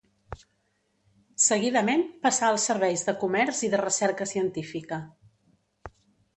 Seguidament passà als serveis de comerç i de recerca científica.